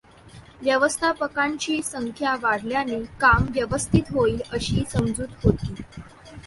व्यवस्थापकांची संख्या वाढल्याने काम ‘व्यवस्थित ' होईल अशी समजूत होती.